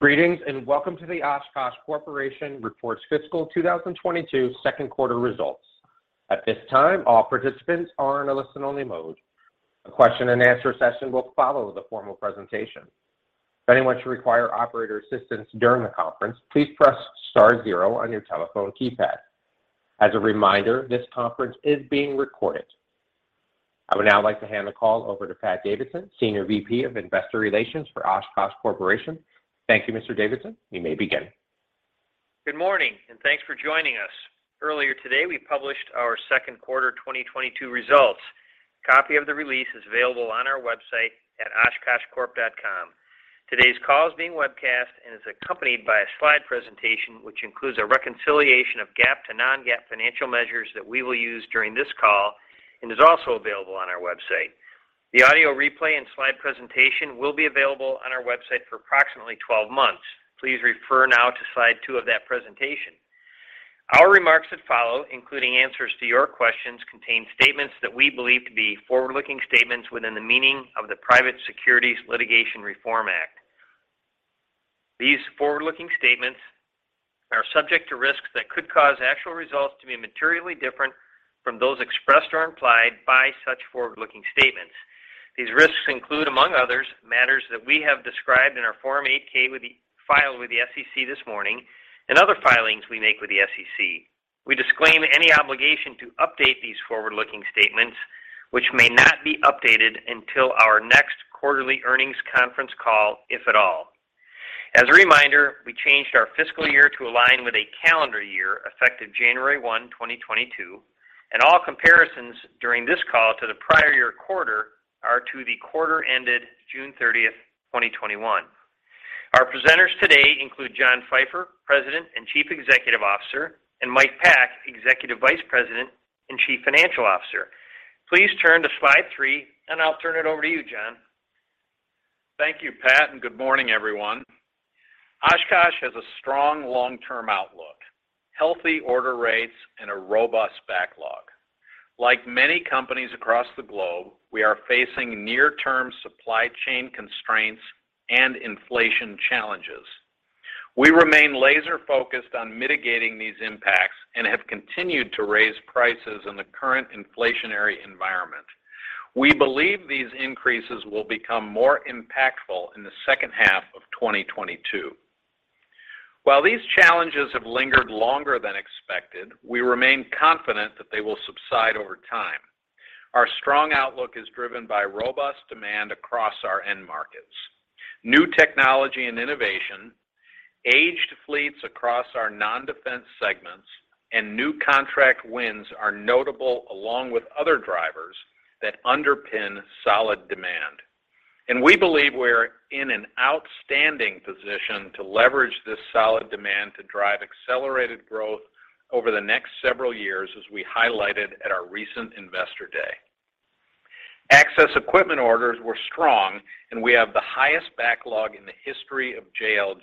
Greetings, and welcome to the Oshkosh Corporation Reports Fiscal 2022 Q2 Results. At this time, all participants are in a listen-only mode. A question and answer session will follow the formal presentation. If anyone should require operator assistance during the conference, please press star zero on your telephone keypad. As a reminder, this conference is being recorded. I would now like to hand the call over to Patrick Davidson, Senior VP of Investor Relations for Oshkosh Corporation. Thank you, Mr. Davidson. You may begin. Good morning, and thanks for joining us. Earlier today, we published our Q2 2022 results. Copy of the release is available on our website at oshkoshcorp.com. Today's call is being webcast and is accompanied by a slide presentation which includes a reconciliation of GAAP to non-GAAP financial measures that we will use during this call and is also available on our website. The audio replay and slide presentation will be available on our website for approximately 12 months. Please refer now to slide 2 of that presentation. Our remarks that follow, including answers to your questions, contain statements that we believe to be forward-looking statements within the meaning of the Private Securities Litigation Reform Act. These forward-looking statements are subject to risks that could cause actual results to be materially different from those expressed or implied by such forward-looking statements. These risks include, among others, matters that we have described in our Form 8-K filed with the SEC this morning and other filings we make with the SEC. We disclaim any obligation to update these forward-looking statements, which may not be updated until our next quarterly earnings conference call, if at all. As a reminder, we changed our fiscal year to align with a calendar year effective January 1, 2022, and all comparisons during this call to the prior year quarter are to the quarter ended June 30, 2021. Our presenters today include John Pfeifer, President and Chief Executive Officer, and Mike Pack, Executive Vice President and Chief Financial Officer. Please turn to slide 3, and I'll turn it over to you, John. Thank you, Pat, and good morning, everyone. Oshkosh has a strong long-term outlook, healthy order rates, and a robust backlog. Like many companies across the globe, we are facing near-term supply chain constraints and inflation challenges. We remain laser-focused on mitigating these impacts and have continued to raise prices in the current inflationary environment. We believe these increases will become more impactful in the H2 of 2022. While these challenges have lingered longer than expected, we remain confident that they will subside over time. Our strong outlook is driven by robust demand across our end markets. New technology and innovation, aged fleets across our non-defense segments, and new contract wins are notable along with other drivers that underpin solid demand. We believe we're in an outstanding position to leverage this solid demand to drive accelerated growth over the next several years, as we highlighted at our recent Investor Day. Access equipment orders were strong, and we have the highest backlog in the history of JLG.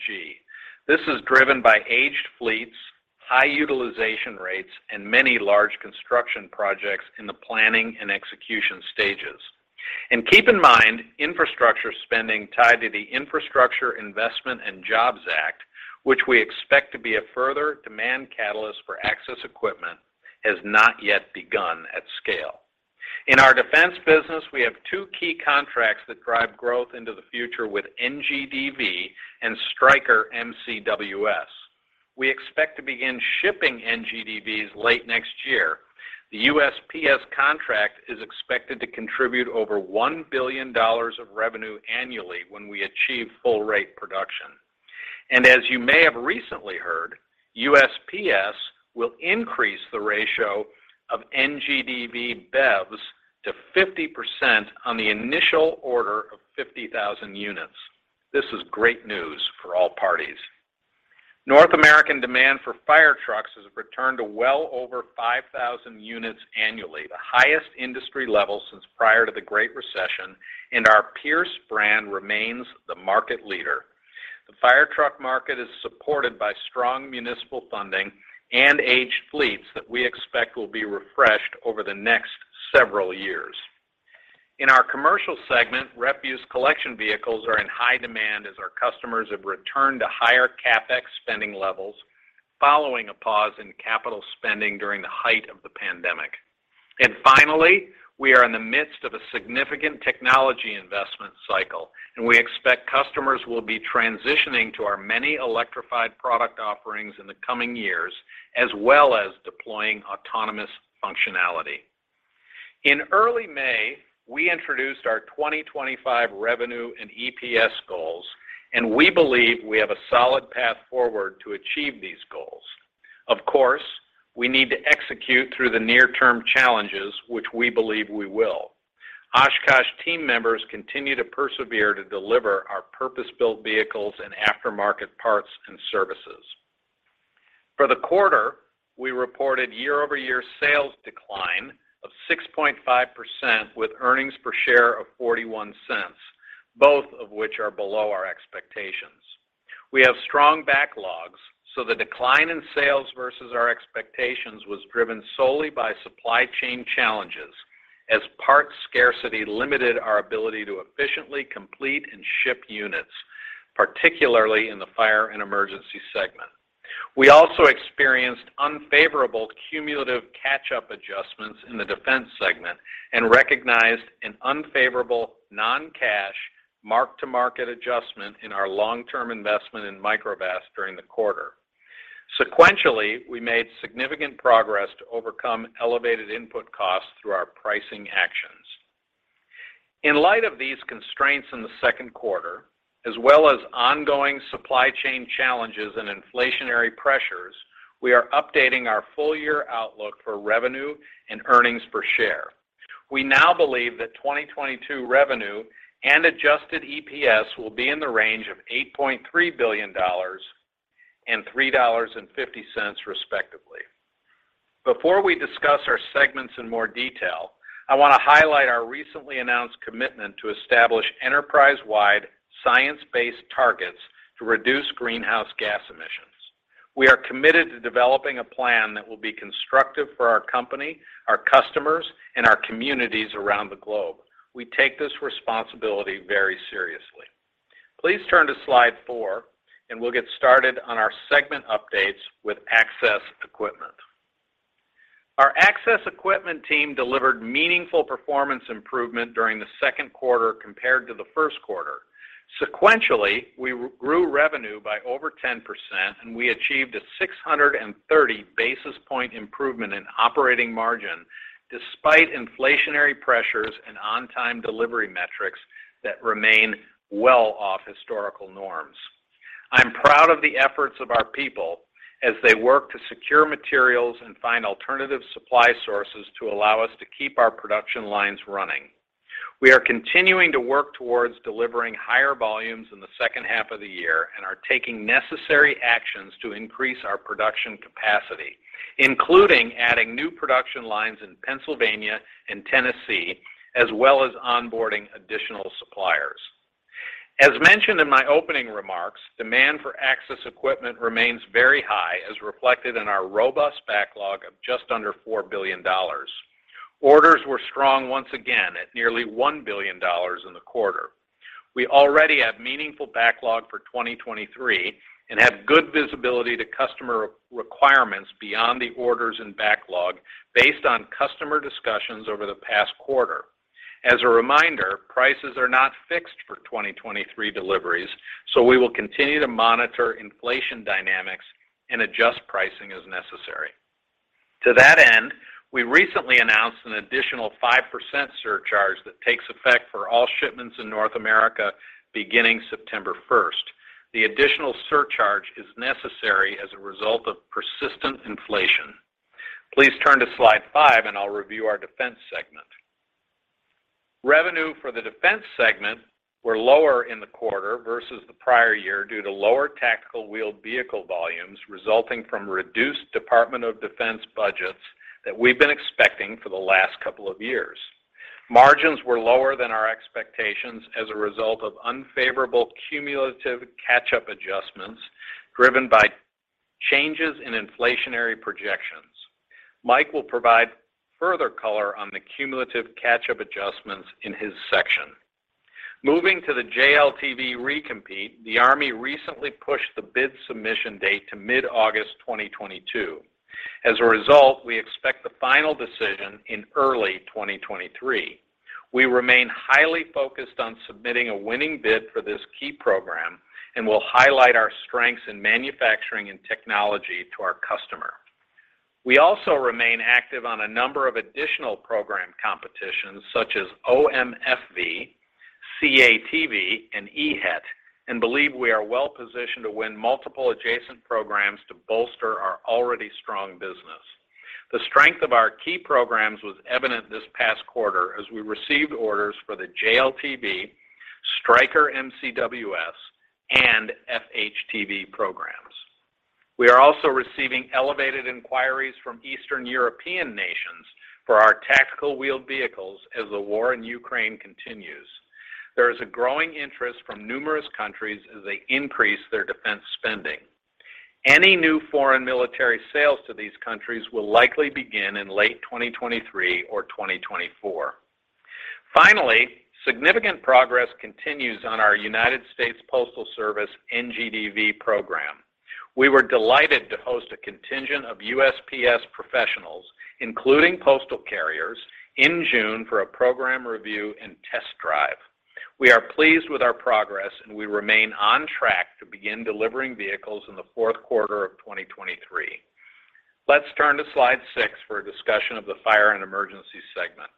This is driven by aged fleets, high utilization rates, and many large construction projects in the planning and execution stages. Keep in mind, infrastructure spending tied to the Infrastructure Investment and Jobs Act, which we expect to be a further demand catalyst for access equipment, has not yet begun at scale. In our defense business, we have two key contracts that drive growth into the future with NGDV and Stryker MCWS. We expect to begin shipping NGDVs late next year. The USPS contract is expected to contribute over $1 billion of revenue annually when we achieve full rate production. As you may have recently heard, USPS will increase the ratio of NGDV BEVs to 50% on the initial order of 50,000 units. This is great news for all parties. North American demand for fire trucks has returned to well over 5,000 units annually, the highest industry level since prior to the Great Recession, and our Pierce brand remains the market leader. The fire truck market is supported by strong municipal funding and aged fleets that we expect will be refreshed over the next several years. In our commercial segment, refuse collection vehicles are in high demand as our customers have returned to higher CapEx spending levels following a pause in capital spending during the height of the pandemic. Finally, we are in the midst of a significant technology investment cycle, and we expect customers will be transitioning to our many electrified product offerings in the coming years, as well as deploying autonomous functionality. In early May, we introduced our 2025 revenue and EPS goals, and we believe we have a solid path forward to achieve these goals. Of course, we need to execute through the near-term challenges, which we believe we will. Oshkosh team members continue to persevere to deliver our purpose-built vehicles and aftermarket parts and services. For the quarter, we reported year-over-year sales decline of 6.5% with earnings per share of $0.41, both of which are below our expectations. We have strong backlogs, so the decline in sales versus our expectations was driven solely by supply chain challenges as parts scarcity limited our ability to efficiently complete and ship units, particularly in the Fire and Emergency segment. We also experienced unfavorable cumulative catch-up adjustments in the defense segment and recognized an unfavorable non-cash mark-to-market adjustment in our long-term investment in Microvast during the quarter. Sequentially, we made significant progress to overcome elevated input costs through our pricing actions. In light of these constraints in the Q2, as well as ongoing supply chain challenges and inflationary pressures, we are updating our full-year outlook for revenue and earnings per share. We now believe that 2022 revenue and adjusted EPS will be in the range of $8.3 billion and $3.50, respectively. Before we discuss our segments in more detail, I want to highlight our recently announced commitment to establish enterprise-wide, science-based targets to reduce greenhouse gas emissions. We are committed to developing a plan that will be constructive for our company, our customers, and our communities around the globe. We take this responsibility very seriously. Please turn to slide four, and we'll get started on our segment updates with access equipment. Our access equipment team delivered meaningful performance improvement during the Q2 compared to the Q1. Sequentially, we grew revenue by over 10%, and we achieved a 630 basis point improvement in operating margin despite inflationary pressures and on-time delivery metrics that remain well off historical norms. I'm proud of the efforts of our people as they work to secure materials and find alternative supply sources to allow us to keep our production lines running. We are continuing to work towards delivering higher volumes in the H2 of the year and are taking necessary actions to increase our production capacity, including adding new production lines in Pennsylvania and Tennessee, as well as onboarding additional suppliers. As mentioned in my opening remarks, demand for access equipment remains very high, as reflected in our robust backlog of just under $4 billion. Orders were strong once again at nearly $1 billion in the quarter. We already have meaningful backlog for 2023 and have good visibility to customer requirements beyond the orders and backlog based on customer discussions over the past quarter. As a reminder, prices are not fixed for 2023 deliveries, so we will continue to monitor inflation dynamics and adjust pricing as necessary. To that end, we recently announced an additional 5% surcharge that takes effect for all shipments in North America beginning September 1. The additional surcharge is necessary as a result of persistent inflation. Please turn to slide 5, and I'll review our defense segment. Revenue for the defense segment were lower in the quarter versus the prior year due to lower tactical wheeled vehicle volumes resulting from reduced Department of Defense budgets that we've been expecting for the last couple of years. Margins were lower than our expectations as a result of unfavorable cumulative catch-up adjustments driven by changes in inflationary projections. Mike will provide further color on the cumulative catch-up adjustments in his section. Moving to the JLTV recompete, the Army recently pushed the bid submission date to mid-August 2022. As a result, we expect the final decision in early 2023. We remain highly focused on submitting a winning bid for this key program and will highlight our strengths in manufacturing and technology to our customer. We also remain active on a number of additional program competitions, such as OMFV, CATV, and EHETS, and believe we are well-positioned to win multiple adjacent programs to bolster our already strong business. The strength of our key programs was evident this past quarter as we received orders for the JLTV, Stryker MCWS, and FHTV programs. We are also receiving elevated inquiries from Eastern European nations for our tactical wheeled vehicles as the war in Ukraine continues. There is a growing interest from numerous countries as they increase their defense spending. Any new foreign military sales to these countries will likely begin in late 2023 or 2024. Finally, significant progress continues on our United States Postal Service NGDV program. We were delighted to host a contingent of USPS professionals, including postal carriers, in June for a program review and test drive. We are pleased with our progress, and we remain on track to begin delivering vehicles in the Q4 of 2023. Let's turn to slide 6 for a discussion of the Fire & Emergency segment.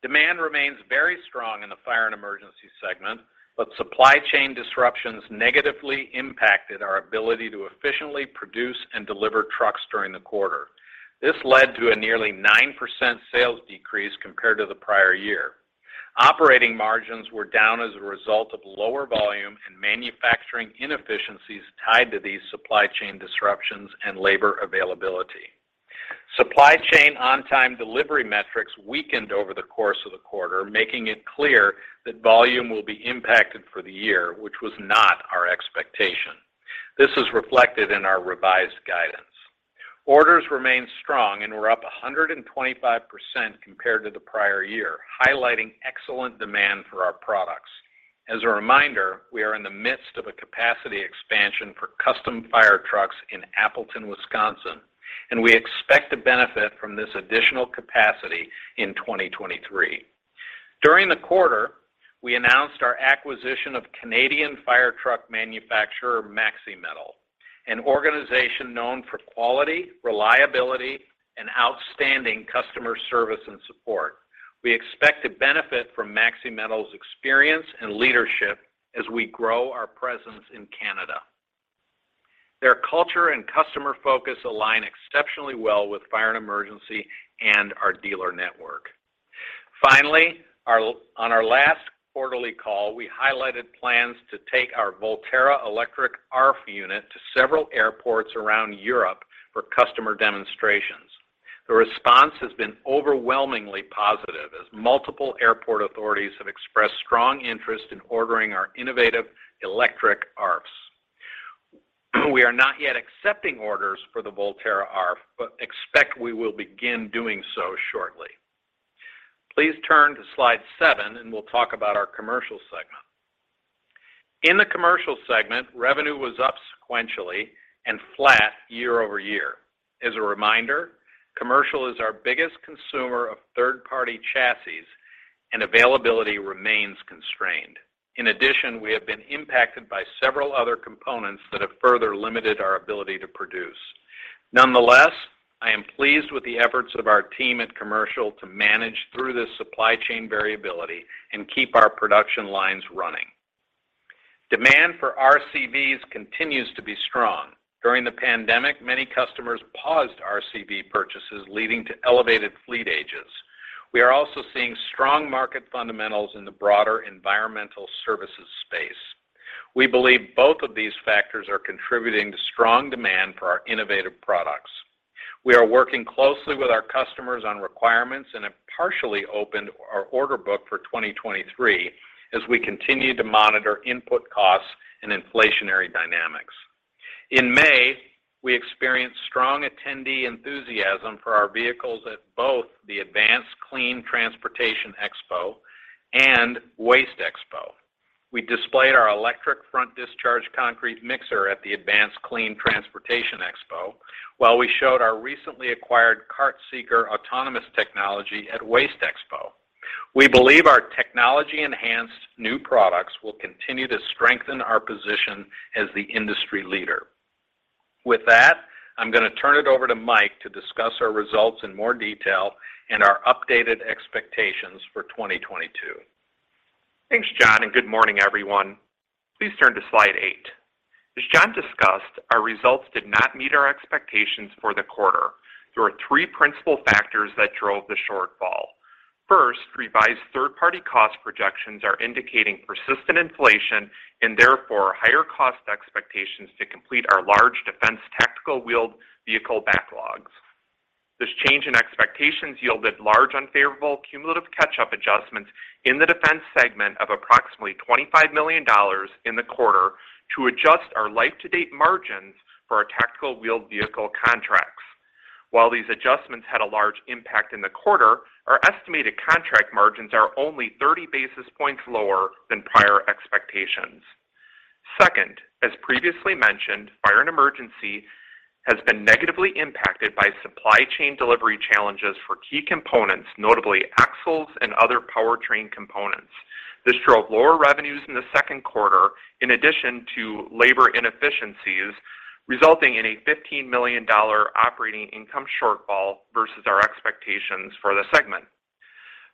Demand remains very strong in the Fire & Emergency segment, but supply chain disruptions negatively impacted our ability to efficiently produce and deliver trucks during the quarter. This led to a nearly 9% sales decrease compared to the prior year. Operating margins were down as a result of lower volume and manufacturing inefficiencies tied to these supply chain disruptions and labor availability. Supply chain on-time delivery metrics weakened over the course of the quarter, making it clear that volume will be impacted for the year, which was not our expectation. This is reflected in our revised guidance. Orders remain strong and were up 125% compared to the prior year, highlighting excellent demand for our products. As a reminder, we are in the midst of a capacity expansion for custom fire trucks in Appleton, Wisconsin, and we expect to benefit from this additional capacity in 2023. During the quarter, we announced our acquisition of Canadian fire truck manufacturer, Maxi-Métal, an organization known for quality, reliability, and outstanding customer service and support. We expect to benefit from Maxi-Métal's experience and leadership as we grow our presence in Canada. Their culture and customer focus align exceptionally well with Fire and Emergency and our dealer network. Finally, on our last quarterly call, we highlighted plans to take our Volterra electric ARFF unit to several airports around Europe for customer demonstrations. The response has been overwhelmingly positive as multiple airport authorities have expressed strong interest in ordering our innovative electric ARFFs. We are not yet accepting orders for the Volterra ARFF, but expect we will begin doing so shortly. Please turn to slide 7 and we'll talk about our commercial segment. In the commercial segment, revenue was up sequentially and flat year-over-year. As a reminder, commercial is our biggest consumer of third-party chassis and availability remains constrained. In addition, we have been impacted by several other components that have further limited our ability to produce. Nonetheless, I am pleased with the efforts of our team at Commercial to manage through this supply chain variability and keep our production lines running. Demand for RCVs continues to be strong. During the pandemic, many customers paused RCV purchases, leading to elevated fleet ages. We are also seeing strong market fundamentals in the broader environmental services space. We believe both of these factors are contributing to strong demand for our innovative products. We are working closely with our customers on requirements and have partially opened our order book for 2023 as we continue to monitor input costs and inflationary dynamics. In May, we experienced strong attendee enthusiasm for our vehicles at both the Advanced Clean Transportation Expo and WasteExpo. We displayed our electric front discharge concrete mixer at the Advanced Clean Transportation Expo while we showed our recently acquired Cart Seeker autonomous technology at WasteExpo. We believe our technology-enhanced new products will continue to strengthen our position as the industry leader. With that, I'm gonna turn it over to Mike to discuss our results in more detail and our updated expectations for 2022. Thanks, John, and good morning, everyone. Please turn to slide 8. As John discussed, our results did not meet our expectations for the quarter. There are three principal factors that drove the shortfall. First, revised third-party cost projections are indicating persistent inflation and therefore higher cost expectations to complete our large defense tactical wheeled vehicle backlogs. This change in expectations yielded large unfavorable cumulative catch-up adjustments in the defense segment of approximately $25 million in the quarter to adjust our life-to-date margins for our tactical wheeled vehicle contracts. While these adjustments had a large impact in the quarter, our estimated contract margins are only 30 basis points lower than prior expectations. Second, as previously mentioned, Fire & Emergency has been negatively impacted by supply chain delivery challenges for key components, notably axles and other powertrain components. This drove lower revenues in the Q2 in addition to labor inefficiencies, resulting in a $15 million operating income shortfall versus our expectations for the segment.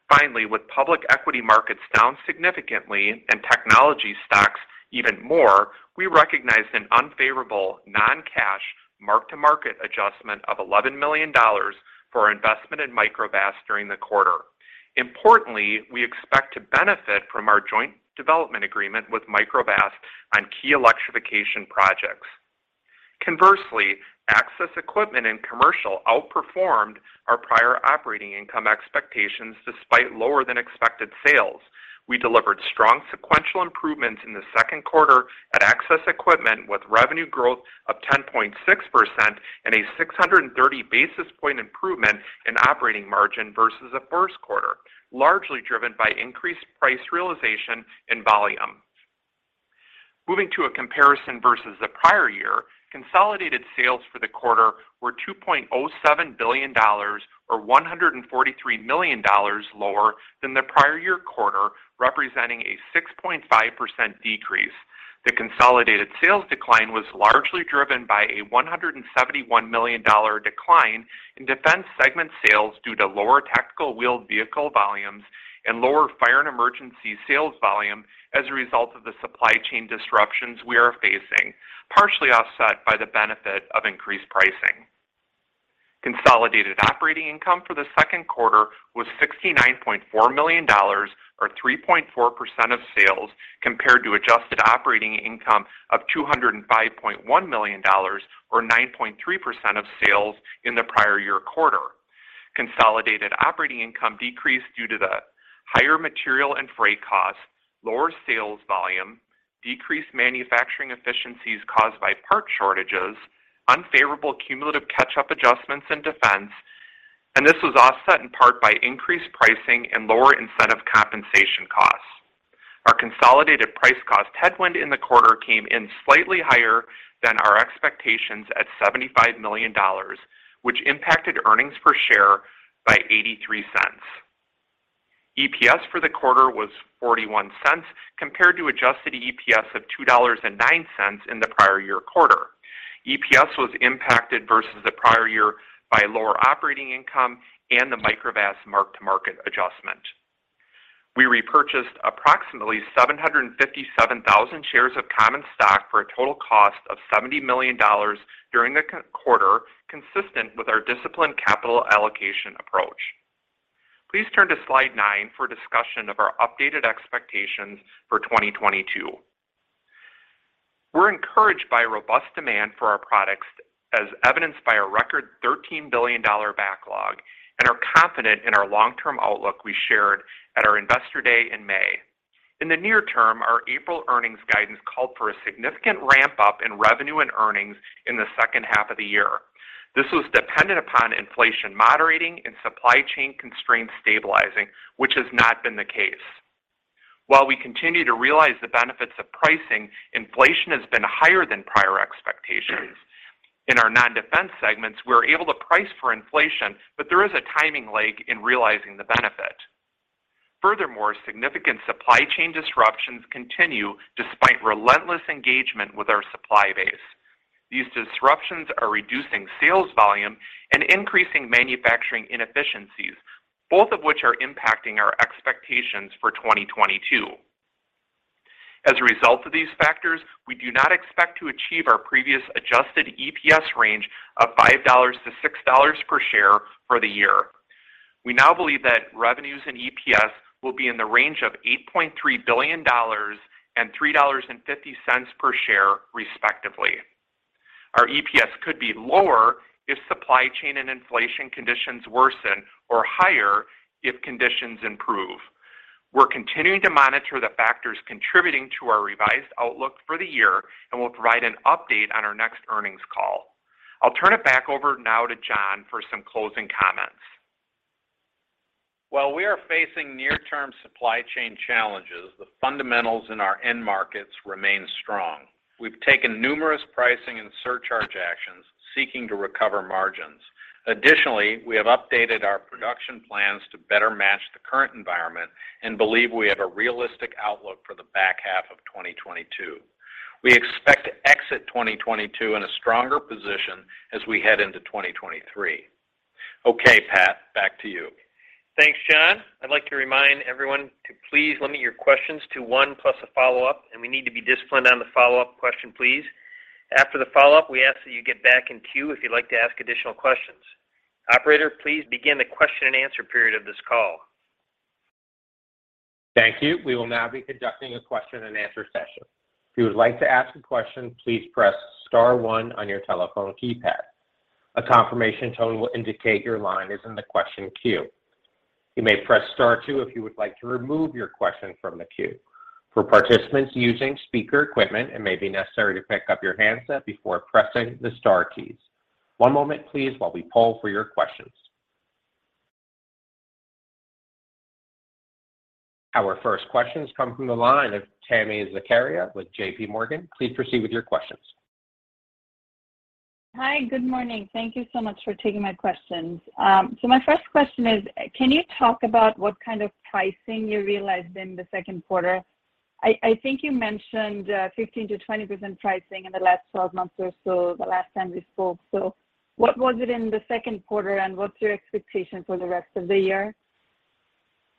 Finally, with public equity markets down significantly and technology stocks even more, we recognized an unfavorable non-cash mark-to-market adjustment of $11 million for our investment in Microvast during the quarter. Importantly, we expect to benefit from our joint development agreement with Microvast on key electrification projects. Conversely, access equipment and commercial outperformed our prior operating income expectations despite lower than expected sales. We delivered strong sequential improvements in the Q2 at access equipment with revenue growth of 10.6% and a 630 basis point improvement in operating margin versus the Q1, largely driven by increased price realization and volume. Moving to a comparison versus the prior year, consolidated sales for the quarter were $2.07 billion or $143 million lower than the prior year quarter, representing a 6.5% decrease. The consolidated sales decline was largely driven by a $171 million decline in Defense segment sales due to lower tactical wheeled vehicle volumes and lower Fire & Emergency sales volume as a result of the supply chain disruptions we are facing, partially offset by the benefit of increased pricing. Consolidated operating income for the Q2 was $69.4 million or 3.4% of sales compared to adjusted operating income of $205.1 million or 9.3% of sales in the prior year quarter. Consolidated operating income decreased due to the higher material and freight costs, lower sales volume, decreased manufacturing efficiencies caused by part shortages, unfavorable cumulative catch-up adjustments in defense, and this was offset in part by increased pricing and lower incentive compensation costs. Our consolidated price cost headwind in the quarter came in slightly higher than our expectations at $75 million, which impacted earnings per share by $0.83. EPS for the quarter was $0.41 compared to adjusted EPS of $2.09 in the prior year quarter. EPS was impacted versus the prior year by lower operating income and the Microvast mark-to-market adjustment. We repurchased approximately 757,000 shares of common stock for a total cost of $70 million during the quarter, consistent with our disciplined capital allocation approach. Please turn to slide 9 for a discussion of our updated expectations for 2022. We're encouraged by robust demand for our products as evidenced by a record $13 billion backlog, and are confident in our long-term outlook we shared at our Investor Day in May. In the near term, our April earnings guidance called for a significant ramp-up in revenue and earnings in the H2 of the year. This was dependent upon inflation moderating and supply chain constraints stabilizing, which has not been the case. While we continue to realize the benefits of pricing, inflation has been higher than prior expectations. In our non-defense segments, we're able to price for inflation, but there is a timing lag in realizing the benefit. Furthermore, significant supply chain disruptions continue despite relentless engagement with our supply base. These disruptions are reducing sales volume and increasing manufacturing inefficiencies, both of which are impacting our expectations for 2022. As a result of these factors, we do not expect to achieve our previous adjusted EPS range of $5-$6 per share for the year. We now believe that revenues and EPS will be in the range of $8.3 billion and $3.50 per share, respectively. Our EPS could be lower if supply chain and inflation conditions worsen or higher if conditions improve. We're continuing to monitor the factors contributing to our revised outlook for the year, and we'll provide an update on our next earnings call. I'll turn it back over now to John for some closing comments. While we are facing near-term supply chain challenges, the fundamentals in our end markets remain strong. We've taken numerous pricing and surcharge actions seeking to recover margins. Additionally, we have updated our production plans to better match the current environment and believe we have a realistic outlook for the back half of 2022. We expect to exit 2022 in a stronger position as we head into 2023. Okay, Pat, back to you. Thanks, John. I'd like to remind everyone to please limit your questions to one plus a follow-up, and we need to be disciplined on the follow-up question, please. After the follow-up, we ask that you get back in queue if you'd like to ask additional questions. Operator, please begin the question and answer period of this call. Thank you. We will now be conducting a question and answer session. If you would like to ask a question, please press star one on your telephone keypad. A confirmation tone will indicate your line is in the question queue. You may press star two if you would like to remove your question from the queue. For participants using speaker equipment, it may be necessary to pick up your handset before pressing the star keys. One moment, please, while we poll for your questions. Our first question has come from the line of Tami Zakaria with J.P. Morgan. Please proceed with your questions. Hi, good morning. Thank you so much for taking my questions. My first question is, can you talk about what kind of pricing you realized in the Q2? I think you mentioned 15%-20% pricing in the last 12 months or so the last time we spoke. What was it in the Q2, and what's your expectation for the rest of the year?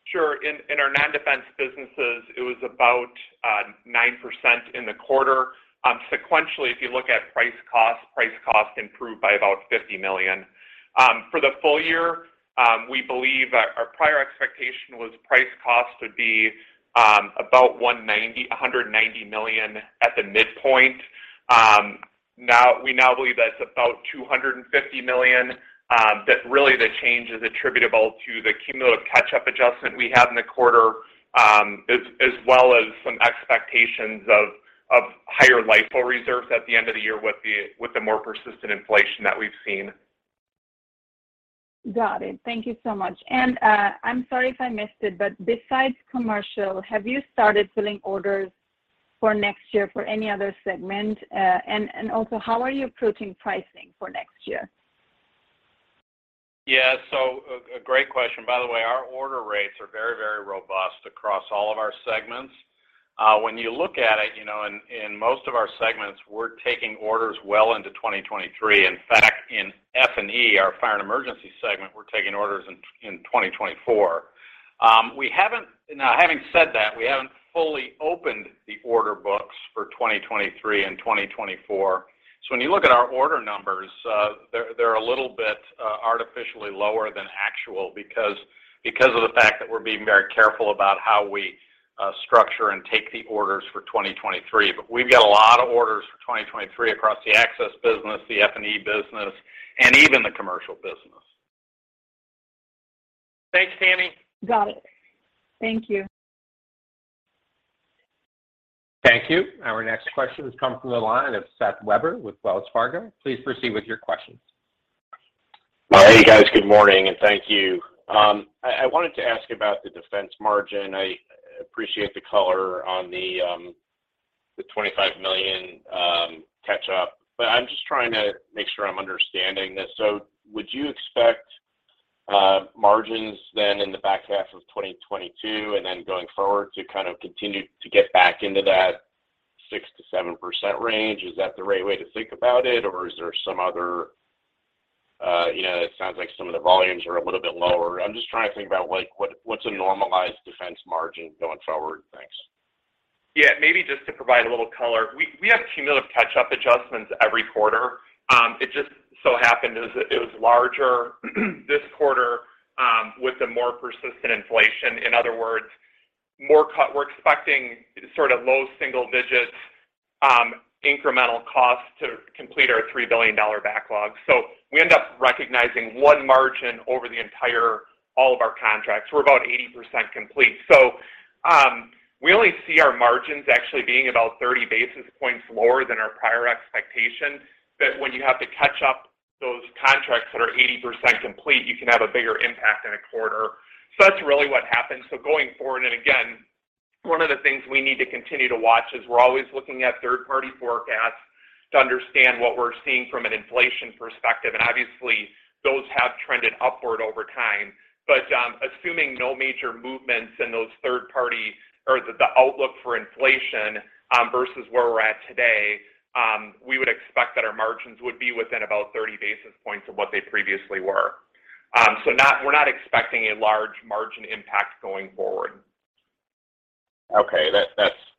Sure. In our non-defense businesses, it was about 9% in the quarter. Sequentially, if you look at price cost, price cost improved by about $50 million. For the full year, we believe our prior expectation was price cost would be about $190 million at the midpoint. Now we believe that it's about $250 million, that really the change is attributable to the cumulative catch-up adjustment we had in the quarter, as well as some expectations of higher LIFO reserves at the end of the year with the more persistent inflation that we've seen. Got it. Thank you so much. I'm sorry if I missed it, but besides commercial, have you started filling orders for next year for any other segment? Also how are you approaching pricing for next year? Yeah. A great question. By the way, our order rates are very robust across all of our segments. When you look at it, you know, in most of our segments, we're taking orders well into 2023. In fact, in Fire & Emergency, our fire and emergency segment, we're taking orders in 2024. Now, having said that, we haven't fully opened the order books for 2023 and 2024. When you look at our order numbers, they're a little bit artificially lower than actual because of the fact that we're being very careful about how we structure and take the orders for 2023. We've got a lot of orders for 2023 across the access business, the Fire & Emergency business, and even the commercial business. Thanks, Tami. Got it. Thank you. Thank you. Our next question has come from the line of Seth Weber with Wells Fargo. Please proceed with your questions. Well, hey, guys. Good morning, and thank you. I wanted to ask about the defense margin. I appreciate the color on the $25 million catch up. I'm just trying to make sure I'm understanding this. Would you expect margins then in the back half of 2022 and then going forward to kind of continue to get back into that 6%-7% range? Is that the right way to think about it, or is there some other, you know, it sounds like some of the volumes are a little bit lower. I'm just trying to think about like what's a normalized defense margin going forward. Thanks. Yeah. Maybe just to provide a little color, we have cumulative catch-up adjustments every quarter. It just so happened that it was larger this quarter with a more persistent inflation. In other words, we're expecting sort of low single digits incremental costs to complete our $3 billion backlog. We end up recognizing 1% margin over all of our contracts. We're about 80% complete. We only see our margins actually being about 30 basis points lower than our prior expectation, that when you have to catch up those contracts that are 80% complete, you can have a bigger impact in a quarter. That's really what happened. Going forward, one of the things we need to continue to watch is we're always looking at third-party forecasts to understand what we're seeing from an inflation perspective. Obviously, those have trended upward over time. Assuming no major movements in those third-party or the outlook for inflation versus where we're at today, we would expect that our margins would be within about 30 basis points of what they previously were. We're not expecting a large margin impact going forward. Okay.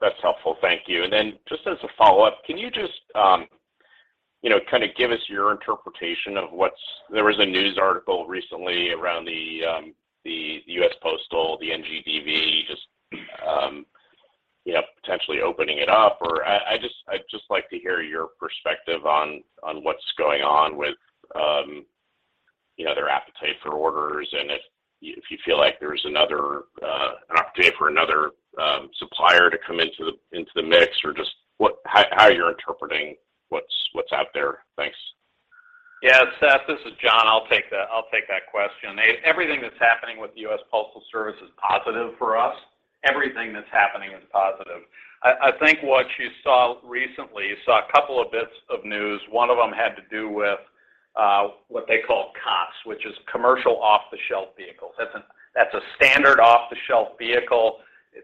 That's helpful. Thank you. Just as a follow-up, can you just kinda give us your interpretation of what's There was a news article recently around the U.S. Postal Service, the NGDV, just potentially opening it up or I'd just like to hear your perspective on what's going on with their appetite for orders and if you feel like there's another opportunity for another supplier to come into the mix or just how you're interpreting what's out there. Thanks. Yeah. Seth, this is John. I'll take that. I'll take that question. Everything that's happening with the U.S. Postal Service is positive for us. Everything that's happening is positive. I think what you saw recently, you saw a couple of bits of news. One of them had to do with what they call COTS, which is commercial off-the-shelf vehicles. That's a standard off-the-shelf vehicle.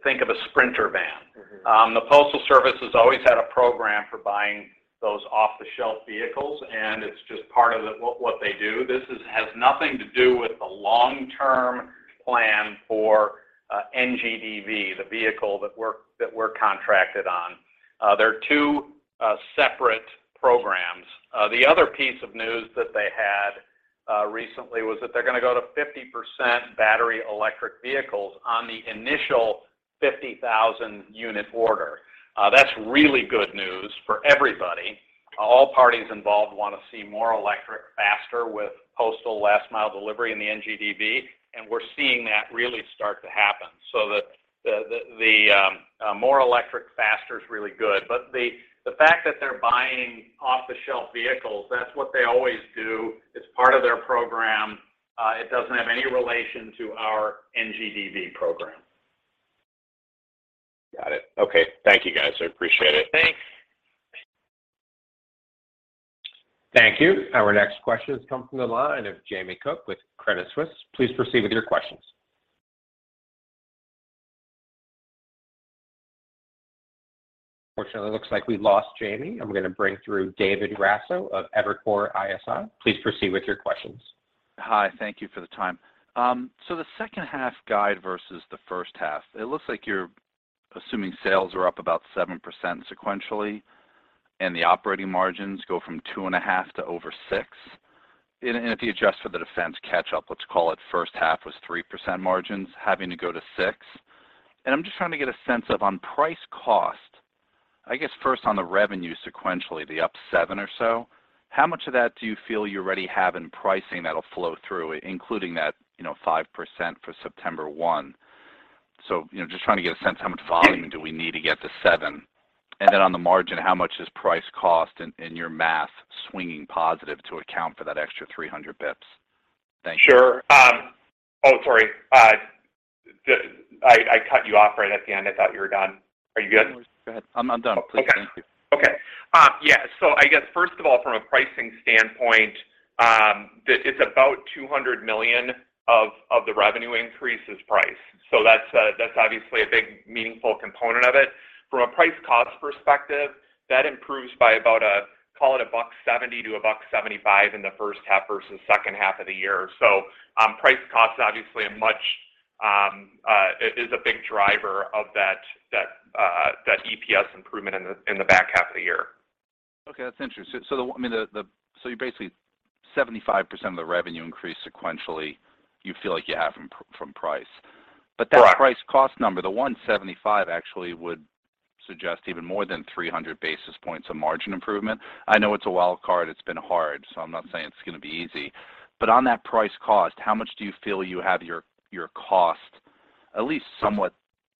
Think of a sprinter van. Mm-hmm. The Postal Service has always had a program for buying those off-the-shelf vehicles, and it's just part of it, what they do. This has nothing to do with the long-term plan for NGDV, the vehicle that we're contracted on. They're two separate programs. The other piece of news that they had recently was that they're gonna go to 50% battery electric vehicles on the initial 50,000 unit order. That's really good news for everybody. All parties involved wanna see more electric faster with Postal last mile delivery in the NGDV, and we're seeing that really start to happen. More electric faster is really good. The fact that they're buying off-the-shelf vehicles, that's what they always do. It's part of their program. It doesn't have any relation to our NGDV program. Got it. Okay. Thank you, guys. I appreciate it. Thanks. Thank you. Our next question has come from the line of Jamie Cook with Credit Suisse. Please proceed with your questions. Unfortunately, looks like we lost Jamie. I'm gonna bring through David Raso of Evercore ISI. Please proceed with your questions. Hi. Thank you for the time. The H2 guide versus the H1, it looks like you're assuming sales are up about 7% sequentially, and the operating margins go from 2.5 to over 6. If you adjust for the defense catch-up, let's call it H1 was 3% margins having to go to 6. I'm just trying to get a sense of on price cost, I guess first on the revenue sequentially, the up 7 or so, how much of that do you feel you already have in pricing that'll flow through, including that, you know, 5% for September 1. You know, just trying to get a sense how much volume do we need to get to 7. On the margin, how much does price cost in your math swinging positive to account for that extra 300 basis points? Thank you. Sure. Sorry. I cut you off right at the end. I thought you were done. Are you good? No worries. Go ahead. I'm done. Okay. Please. Thank you. Okay. Yeah. I guess, first of all, from a pricing standpoint, it's about $200 million of the revenue increase is price. That's obviously a big meaningful component of it. From a price cost perspective, that improves by about, call it $1.70-$1.75 in the H1 versus H2 of the year. Price cost is obviously a much, it is a big driver of that EPS improvement in the back half of the year. Okay. That's interesting. I mean, you basically 75% of the revenue increase sequentially you feel like you have from price. Correct. That price cost number, the $175 actually would Suggest even more than 300 basis points of margin improvement. I know it's a wild card. It's been hard, so I'm not saying it's gonna be easy. On that price cost, how much do you feel you have your cost at least somewhat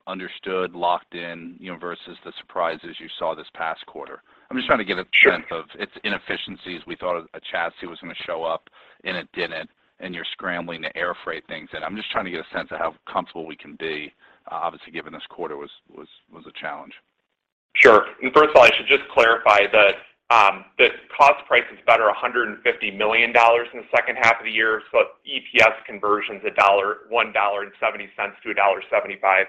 understood, locked in, you know, versus the surprises you saw this past quarter? I'm just trying to get a sense of its inefficiencies. We thought a chassis was gonna show up, and it didn't, and you're scrambling to air freight things in. I'm just trying to get a sense of how comfortable we can be, obviously, given this quarter was a challenge. Sure. First of all, I should just clarify that, the cost price is about $150 million in the H2 of the year. EPS conversion's $1, $1.70 to $1.75.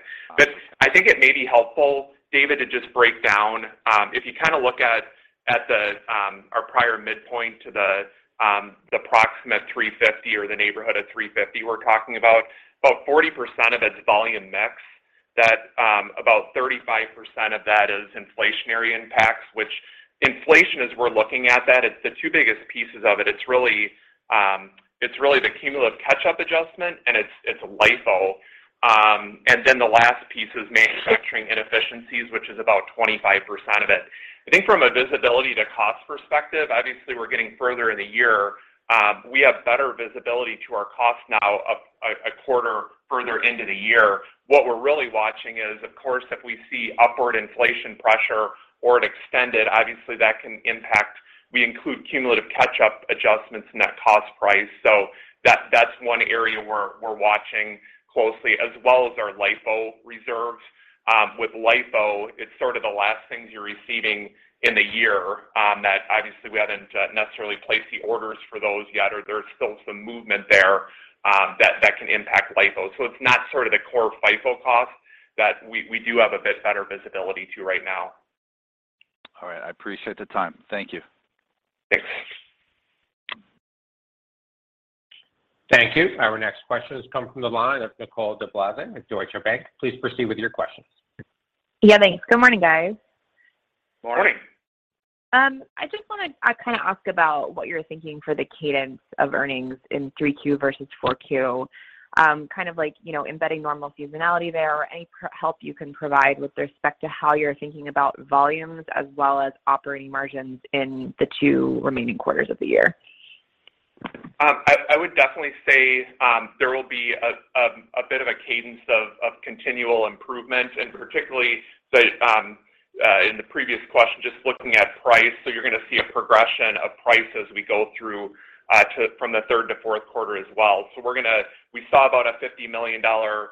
I think it may be helpful, David, to just break down. If you kinda look at our prior midpoint to the approximate $3.50 or the neighborhood of $3.50 we're talking about 40% of it's volume mix that, about 35% of that is inflationary impacts, which inflation, as we're looking at that, it's the two biggest pieces of it. It's really the cumulative catch-up adjustment, and it's LIFO. Then the last piece is manufacturing inefficiencies, which is about 25% of it. I think from a visibility to cost perspective, obviously, we're getting further in the year. We have better visibility to our cost now a quarter further into the year. What we're really watching is, of course, if we see upward inflation pressure or it extended, obviously that can impact. We include cumulative catch-up adjustments in that cost price. That's one area we're watching closely, as well as our LIFO reserves. With LIFO, it's sort of the last things you're receiving in the year, that obviously we haven't necessarily placed the orders for those yet, or there's still some movement there, that can impact LIFO. So it's not sort of the core FIFO cost that we do have a bit better visibility to right now. All right. I appreciate the time. Thank you. Thanks. Thank you. Our next question has come from the line of Nicole DeBlase with Deutsche Bank. Please proceed with your questions. Yeah, thanks. Good morning, guys. Morning. Morning. I just wanna kinda ask about what you're thinking for the cadence of earnings in 3Q versus 4Q. Kind of like, you know, embedding normal seasonality there or any help you can provide with respect to how you're thinking about volumes as well as operating margins in the 2 remaining quarters of the year. I would definitely say there will be a bit of a cadence of continual improvement, and particularly in the previous question, just looking at price. You're gonna see a progression of price as we go through from the Q3 to Q4 as well. We saw about a $50 million price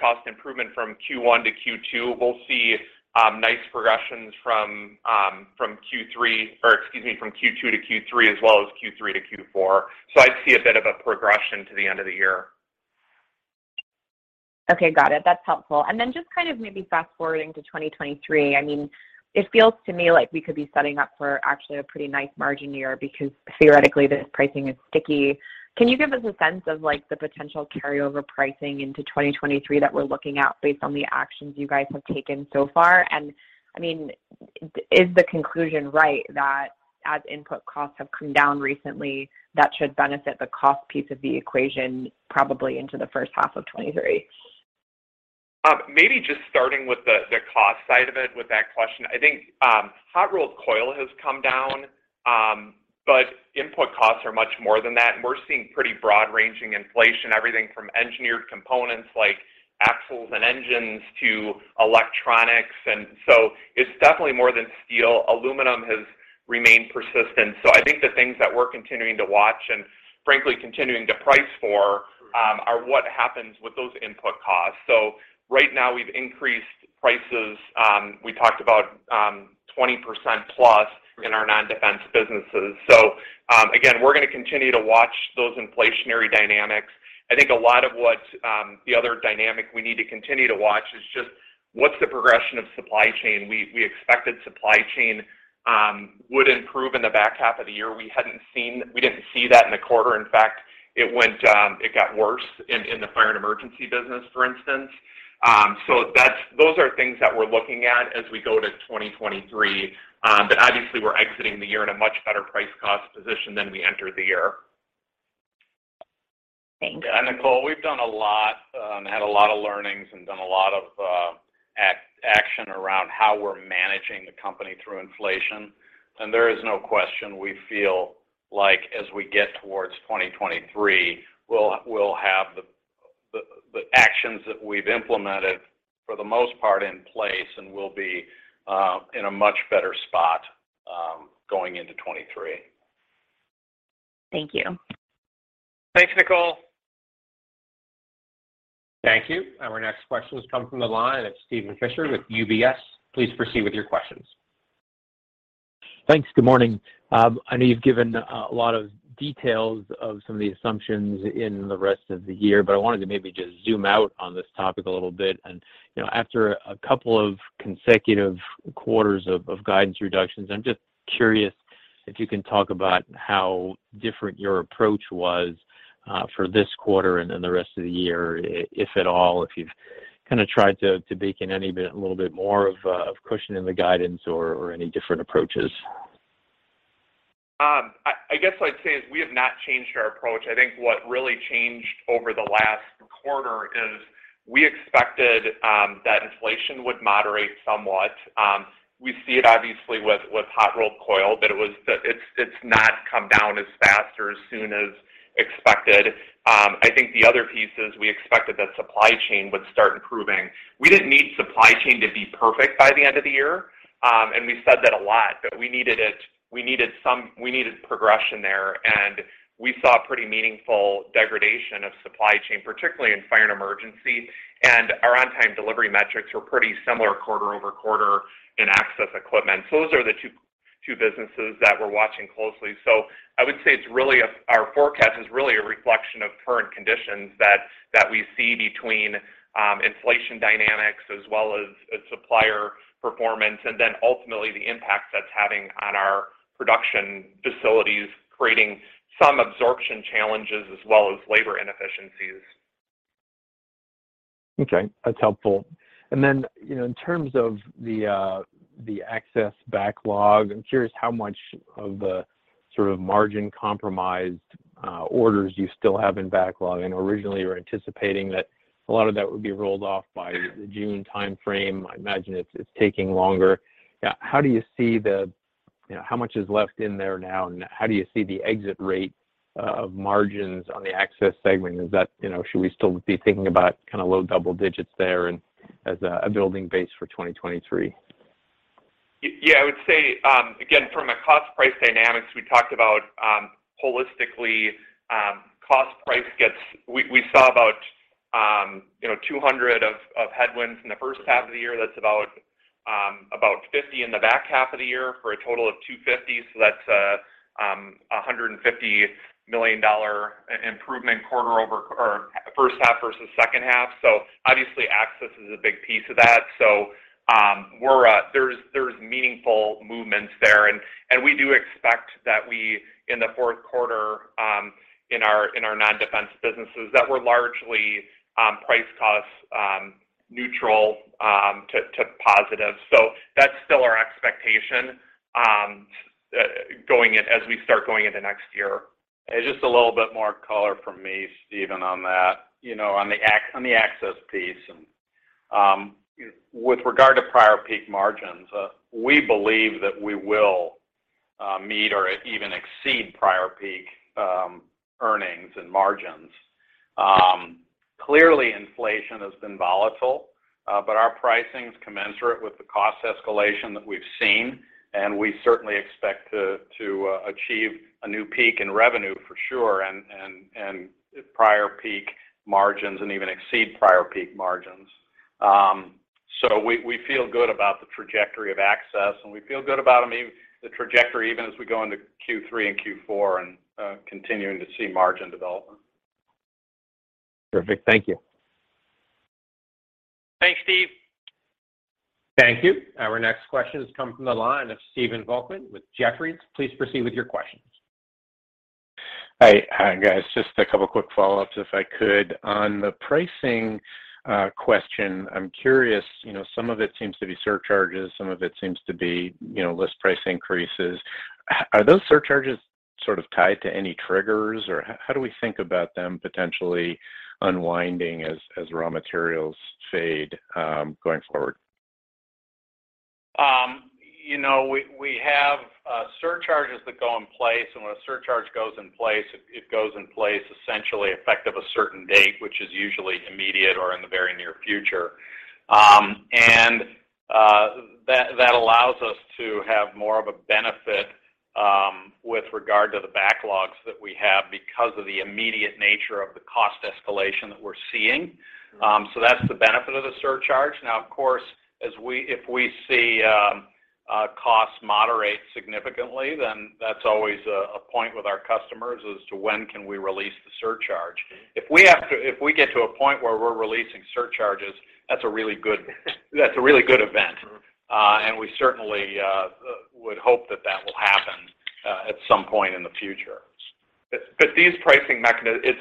cost improvement from Q1 to Q2. We'll see nice progressions from Q2 to Q3 as well as Q3 to Q4. I see a bit of a progression to the end of the year. Okay. Got it. That's helpful. Then just kind of maybe fast-forwarding to 2023, I mean, it feels to me like we could be setting up for actually a pretty nice margin year because theoretically this pricing is sticky. Can you give us a sense of, like, the potential carryover pricing into 2023 that we're looking at based on the actions you guys have taken so far? I mean, is the conclusion right that as input costs have come down recently, that should benefit the cost piece of the equation probably into the H1 of 2023? Maybe just starting with the cost side of it with that question. I think hot-rolled coil has come down, but input costs are much more than that. We're seeing pretty broad-ranging inflation, everything from engineered components like axles and engines to electronics. It's definitely more than steel. Aluminum has remained persistent. I think the things that we're continuing to watch and frankly continuing to price for are what happens with those input costs. Right now we've increased prices, we talked about 20% plus in our non-defense businesses. Again, we're gonna continue to watch those inflationary dynamics. I think a lot of what the other dynamic we need to continue to watch is just what's the progression of supply chain. We expected supply chain would improve in the back half of the year. We didn't see that in the quarter. In fact, it went, it got worse in the Fire & Emergency business, for instance. Those are things that we're looking at as we go to 2023. Obviously we're exiting the year in a much better price cost position than we entered the year. Thank you. Yeah. Nicole, we've done a lot, had a lot of learnings and done a lot of action around how we're managing the company through inflation. There is no question we feel like as we get towards 2023, we'll have the actions that we've implemented for the most part in place and we'll be in a much better spot going into 2023. Thank you. Thanks, Nicole. Thank you. Our next question has come from the line of Steven Fisher with UBS. Please proceed with your questions. Thanks. Good morning. I know you've given a lot of details of some of the assumptions in the rest of the year, but I wanted to maybe just zoom out on this topic a little bit. You know, after a couple of consecutive quarters of guidance reductions, I'm just curious if you can talk about how different your approach was for this quarter and then the rest of the year, if at all, if you've kinda tried to bake in any bit, a little bit more of cushion in the guidance or any different approaches. I guess what I'd say is we have not changed our approach. I think what really changed over the last quarter is we expected that inflation would moderate somewhat. We see it obviously with hot-rolled coil, but it's not come down as fast or as soon as expected. I think the other piece is we expected that supply chain would start improving. We didn't need supply chain to be perfect by the end of the year, and we said that a lot, but we needed some progression there, and we saw pretty meaningful degradation of supply chain, particularly in Fire & Emergency. Our on-time delivery metrics were pretty similar quarter-over-quarter in access equipment. Those are the two businesses that we're watching closely. I would say it's really our forecast is really a reflection of current conditions that we see between inflation dynamics as well as supplier performance, and then ultimately the impact that's having on our production facilities, creating some absorption challenges as well as labor inefficiencies. Okay. That's helpful. You know, in terms of the access backlog, I'm curious how much of the sort of margin compromised orders you still have in backlog. I know originally you were anticipating that a lot of that would be rolled off by the June timeframe. I imagine it's taking longer. How do you see the, you know, how much is left in there now, and how do you see the exit rate of margins on the access segment? Is that, you know, should we still be thinking about kinda low double digits there and as a building base for 2023? Yeah. I would say, again, from a cost/price dynamics, we talked about, holistically, We saw about, you know, $200 of headwinds in the H1 of the year. That's about $50 in the back half of the year for a total of $250. So that's a $150 million improvement H1 versus H2. So obviously access is a big piece of that. So, there is meaningful movements there, and we do expect that we, in the Q4, in our non-defense businesses, that we are largely price/cost neutral to positive. So that's still our expectation as we start going into next year. Just a little bit more color from me, Stephen, on that. You know, on the access piece and with regard to prior peak margins, we believe that we will meet or even exceed prior peak earnings and margins. Clearly inflation has been volatile, but our pricing's commensurate with the cost escalation that we've seen, and we certainly expect to achieve a new peak in revenue for sure and prior peak margins and even exceed prior peak margins. We feel good about the trajectory of access, and we feel good about, I mean, the trajectory even as we go into Q3 and Q4 and continuing to see margin development. Perfect. Thank you. Thanks, Steve. Thank you. Our next question has come from the line of Stephen Volkmann with Jefferies. Please proceed with your questions. Hi. Hi, guys. Just a couple quick follow-ups, if I could. On the pricing question, I'm curious, you know, some of it seems to be surcharges, some of it seems to be, you know, list price increases. Are those surcharges sort of tied to any triggers, or how do we think about them potentially unwinding as raw materials fade, going forward? You know, we have surcharges that go in place, and when a surcharge goes in place, it goes in place essentially effective a certain date, which is usually immediate or in the very near future. That allows us to have more of a benefit with regard to the backlogs that we have because of the immediate nature of the cost escalation that we're seeing. That's the benefit of the surcharge. Now, of course, if we see costs moderate significantly, then that's always a point with our customers as to when can we release the surcharge. If we get to a point where we're releasing surcharges, that's a really good event. Mm-hmm. We certainly would hope that that will happen at some point in the future. These pricing mechanisms,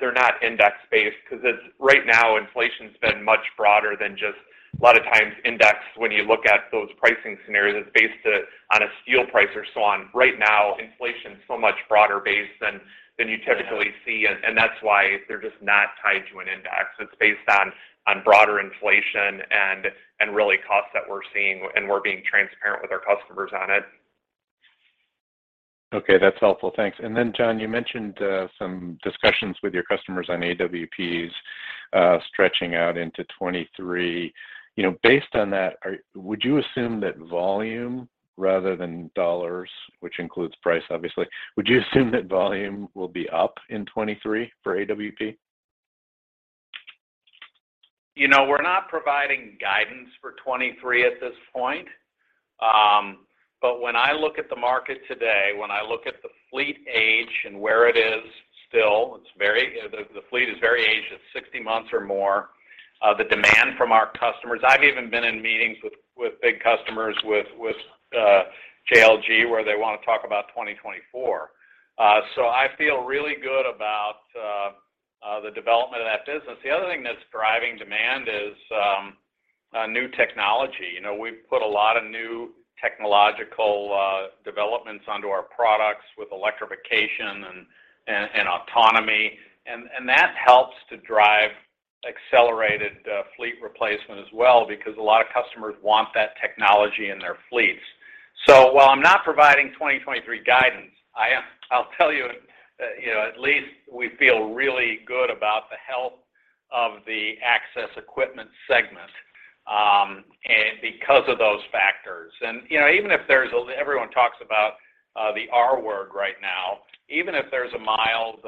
they're not index-based because right now, inflation's been much broader than just a lot of times index when you look at those pricing scenarios. It's based on a steel price or so on. Right now, inflation's so much broader based than you typically see. That's why they're just not tied to an index. It's based on broader inflation and really costs that we're seeing, and we're being transparent with our customers on it. Okay, that's helpful. Thanks. John, you mentioned some discussions with your customers on AWPs, stretching out into 2023. You know, based on that, would you assume that volume rather than dollars, which includes price obviously, will be up in 2023 for AWP? You know, we're not providing guidance for 2023 at this point. But when I look at the market today, when I look at the fleet age and where it is still, it's very aged, it's 60 months or more. The demand from our customers, I've even been in meetings with big customers with JLG, where they wanna talk about 2024. So I feel really good about the development of that business. The other thing that's driving demand is new technology. You know, we've put a lot of new technological developments onto our products with electrification and autonomy. That helps to drive accelerated fleet replacement as well because a lot of customers want that technology in their fleets. While I'm not providing 2023 guidance, I'll tell you know, at least we feel really good about the health of the access equipment segment, and because of those factors. You know, everyone talks about the R-word right now. Even if there's a mild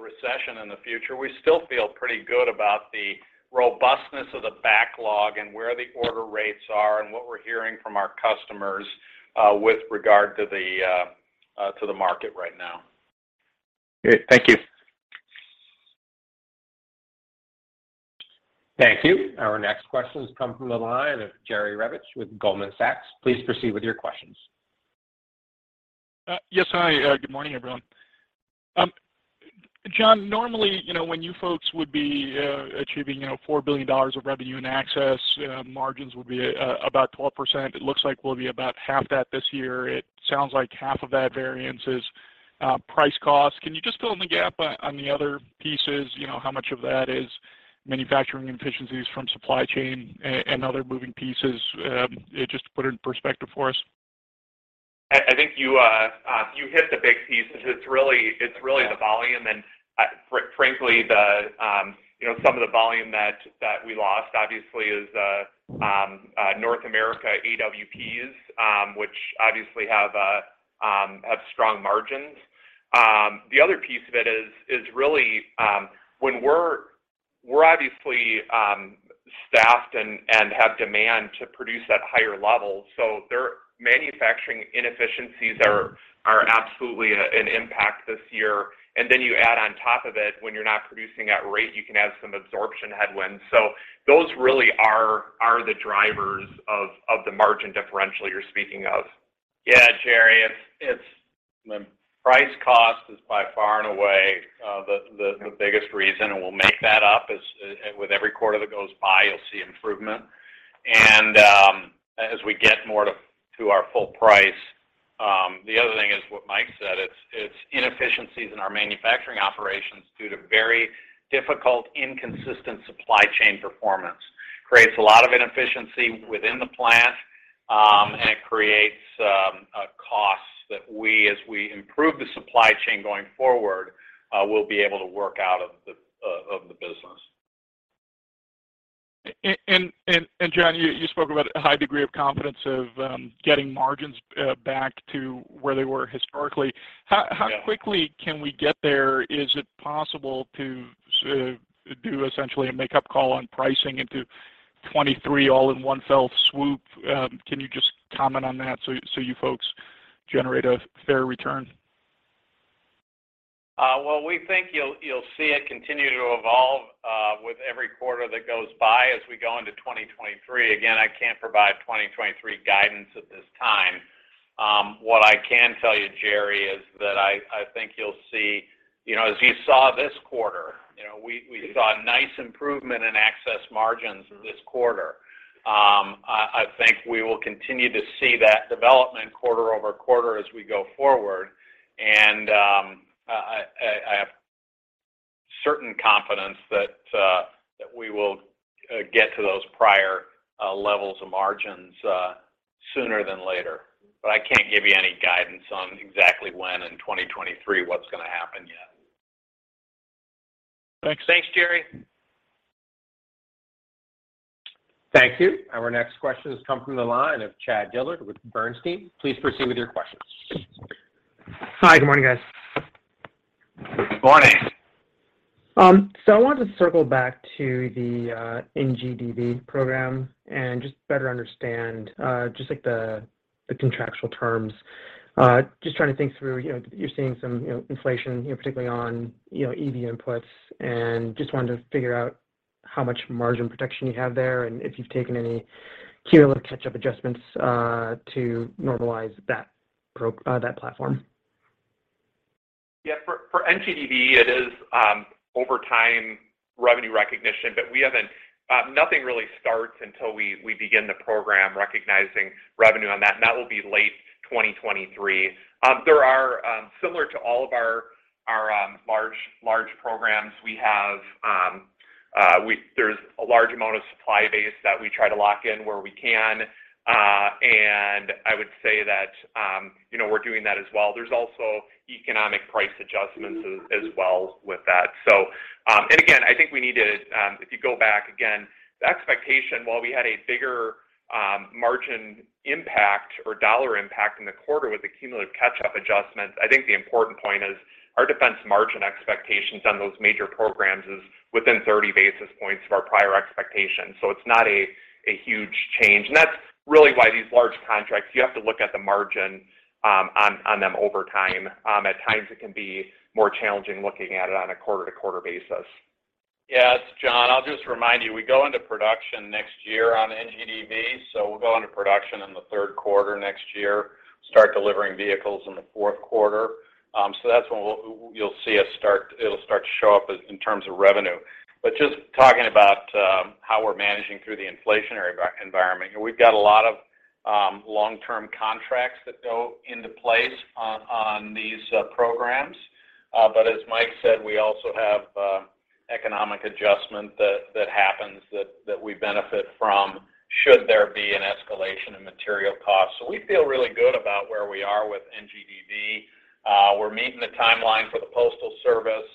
recession in the future, we still feel pretty good about the robustness of the backlog and where the order rates are and what we're hearing from our customers with regard to the market right now. Great. Thank you. Thank you. Our next question has come from the line of Jerry Revich with Goldman Sachs. Please proceed with your questions. Yes. Hi. Good morning, everyone. John, normally, you know, when you folks would be achieving, you know, $4 billion of revenue and Access margins would be about 12%. It looks like we'll be about half that this year. It sounds like half of that variance is price cost. Can you just fill in the gap on the other pieces? You know, how much of that is manufacturing inefficiencies from supply chain and other moving pieces, just to put it in perspective for us? I think you hit the big pieces. It's really the volume and frankly, you know, some of the volume that we lost obviously is North America AWPs, which obviously have strong margins. The other piece of it is really when we're obviously staffed and have demand to produce at higher levels, so their manufacturing inefficiencies are absolutely an impact this year. Then you add on top of it, when you're not producing at rate, you can add some absorption headwinds. Those really are the drivers of the margin differential you're speaking of. Yeah, Jerry. It's the price cost is by far and away the biggest reason, and we'll make that up as with every quarter that goes by, you'll see improvement. As we get more to our full price, the other thing is what Mike said, it's inefficiencies in our manufacturing operations due to very difficult, inconsistent supply chain performance, creates a lot of inefficiency within the plant, and it creates costs that we as we improve the supply chain going forward, we'll be able to work out of the business. John, you spoke about a high degree of confidence of getting margins back to where they were historically. Yeah. How quickly can we get there? Is it possible to do essentially a make-up call on pricing into 2023 all in one fell swoop? Can you just comment on that so you folks generate a fair return? Well, we think you'll see it continue to evolve with every quarter that goes by as we go into 2023. Again, I can't provide 2023 guidance at this time. What I can tell you, Jerry Revich, is that I think you'll see, you know, as you saw this quarter, you know, we saw a nice improvement in access margins this quarter. I have certain confidence that we will get to those prior levels of margins sooner than later. I can't give you any guidance on exactly when in 2023 what's gonna happen yet. Thanks. Thanks, Jerry. Thank you. Our next question has come from the line of Chad Dillard with AllianceBernstein. Please proceed with your questions. Hi. Good morning, guys. Good morning. I wanted to circle back to the NGDV program and just better understand just like the contractual terms. Just trying to think through, you know, you're seeing some, you know, inflation, you know, particularly on, you know, EV inputs, and just wanted to figure out how much margin protection you have there and if you've taken any cumulative catch-up adjustments to normalize that platform. Yeah. For NGDV, it is over time revenue recognition, but nothing really starts until we begin the program recognizing revenue on that, and that will be late 2023. There are similar to all of our large programs, there's a large amount of supply base that we try to lock in where we can. I would say that, you know, we're doing that as well. There's also economic price adjustments as well with that. I think we need to, if you go back again, the expectation, while we had a bigger margin impact or dollar impact in the quarter with the cumulative catch-up adjustments, I think the important point is our defense margin expectations on those major programs is within 30 basis points of our prior expectations. It's not a huge change. That's really why these large contracts, you have to look at the margin on them over time. At times, it can be more challenging looking at it on a quarter-to-quarter basis. Yes, John, I'll just remind you, we go into production next year on NGDV. We'll go into production in the Q3 next year, start delivering vehicles in the Q4. That's when you'll see us start. It'll start to show up in terms of revenue. Just talking about how we're managing through the inflationary environment. We've got a lot of long-term contracts that go into place on these programs. As Mike said, we also have economic adjustment that happens that we benefit from should there be an escalation in material costs. We feel really good about where we are with NGDV. We're meeting the timeline for the Postal Service.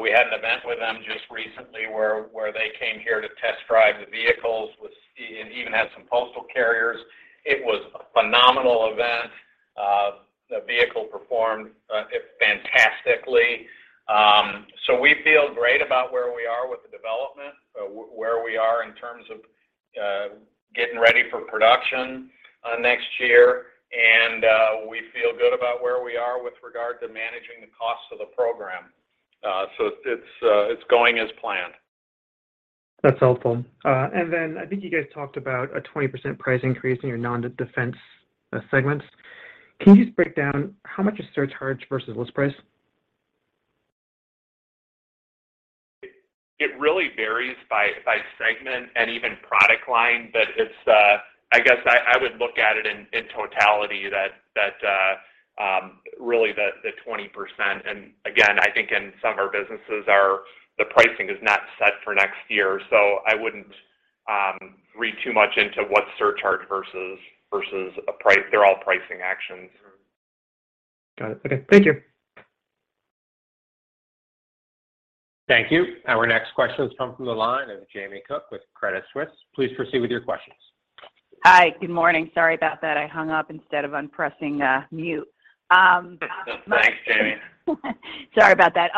We had an event with them just recently where they came here to test drive the vehicles and even had some postal carriers. It was a phenomenal event. The vehicle performed fantastically. We feel great about where we are with the development, where we are in terms of getting ready for production next year. We feel good about where we are with regard to managing the cost of the program. It's going as planned. That's helpful. I think you guys talked about a 20% price increase in your non-defense segments. Can you just break down how much is surcharge versus list price? It really varies by segment and even product line. It's, I guess, I would look at it in totality that really the 20%. Again, I think in some of our businesses the pricing is not set for next year, so I wouldn't read too much into what's surcharge versus a price. They're all pricing actions. Got it. Okay. Thank you. Thank you. Our next question has come from the line of Jamie Cook with Credit Suisse. Please proceed with your questions. Hi. Good morning. Sorry about that. I hung up instead of unpressing mute. Thanks, Jamie. Sorry about that.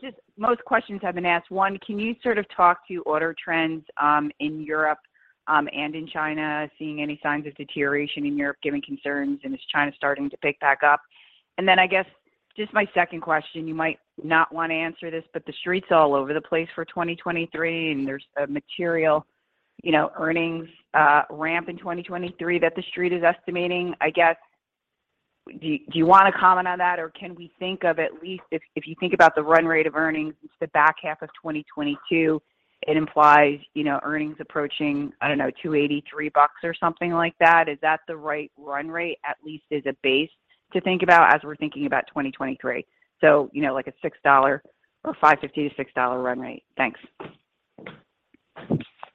Just most questions have been asked. One, can you sort of talk to order trends in Europe and in China, seeing any signs of deterioration in Europe, given concerns, and is China starting to pick back up? I guess just my second question, you might not want to answer this, but the Street's all over the place for 2023, and there's a material, you know, earnings ramp in 2023 that the Street is estimating. I guess do you wanna comment on that, or can we think of at least if you think about the run rate of earnings since the back half of 2022, it implies, you know, earnings approaching, I don't know, $2.80-$3 or something like that. Is that the right run rate at least as a base to think about as we're thinking about 2023? You know, like a $6 or $5.50-$6 run rate. Thanks.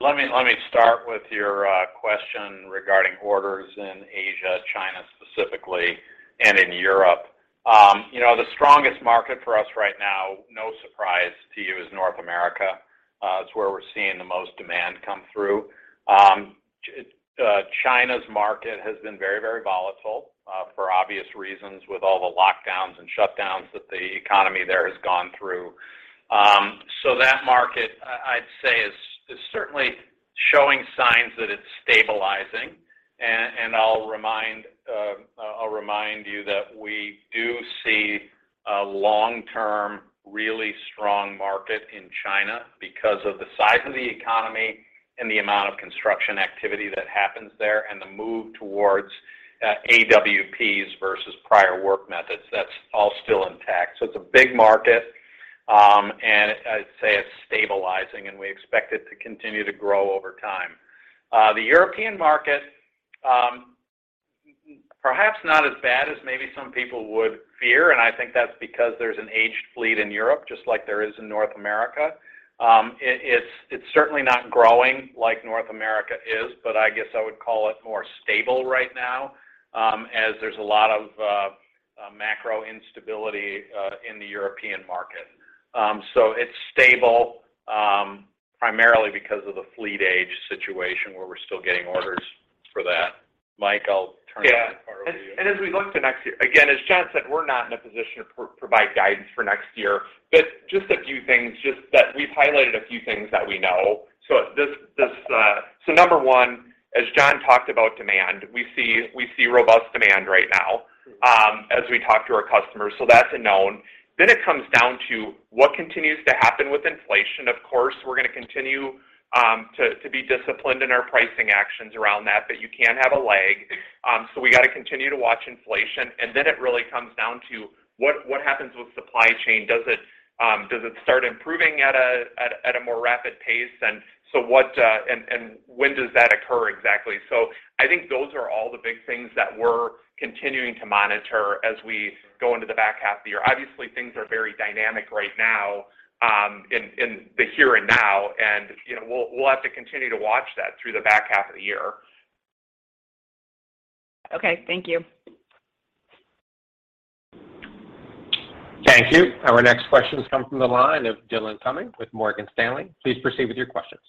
Let me start with your question regarding orders in Asia, China specifically, and in Europe. You know, the strongest market for us right now, no surprise to you, is North America. It's where we're seeing the most demand come through. China's market has been very, very volatile for obvious reasons with all the lockdowns and shutdowns that the economy there has gone through. So that market I'd say is certainly showing signs that it's stabilizing. I'll remind you that we do see a long-term, really strong market in China because of the size of the economy and the amount of construction activity that happens there and the move towards AWPs versus prior work methods. That's all still intact. It's a big market, and I'd say it's stabilizing, and we expect it to continue to grow over time. The European market, perhaps not as bad as maybe some people would fear, and I think that's because there's an aged fleet in Europe, just like there is in North America. It's certainly not growing like North America is, but I guess I would call it more stable right now, as there's a lot of macro instability in the European market. It's stable, primarily because of the fleet age situation where we're still getting orders for that. Mike, I'll turn it over to you. Yeah. As we look to next year, again, as John said, we're not in a position to provide guidance for next year. Just a few things that we've highlighted that we know. Number one, as John talked about demand, we see robust demand right now as we talk to our customers. That's a known. It comes down to what continues to happen with inflation. Of course, we're gonna continue to be disciplined in our pricing actions around that, but you can have a lag. We gotta continue to watch inflation. It really comes down to what happens with supply chain. Does it start improving at a more rapid pace? What, and when does that occur exactly? I think those are all the big things that we're continuing to monitor as we go into the back half of the year. Obviously, things are very dynamic right now, in the here and now. You know, we'll have to continue to watch that through the back half of the year. Okay. Thank you. Thank you. Our next question has come from the line of Dillon Cumming with Morgan Stanley. Please proceed with your questions.